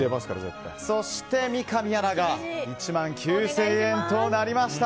そして三上アナが１万９０００円となりました。